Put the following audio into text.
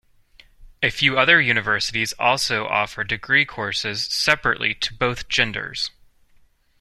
A few other universities also offer degree courses separately to both genders.